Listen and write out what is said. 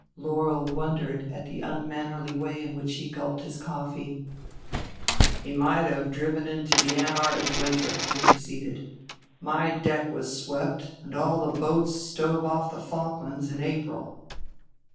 Laurel wondered at the unmannerly way in which he gulped his coffee. "He might have driven into the Antarctic winter," he proceeded. "My deck was swept and all the boats stove off the Falklands in April."